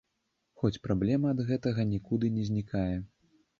Хоць праблема ад гэтага нікуды не знікае.